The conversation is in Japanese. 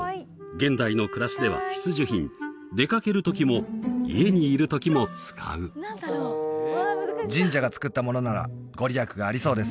現代の暮らしでは必需品出掛けるときも家にいるときも使う神社がつくったものなら御利益がありそうです